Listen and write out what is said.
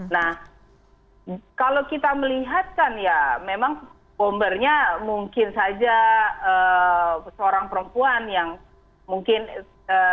nah kalau kita melihatkan ya memang bombernya mungkin saja seorang perempuan yang mungkin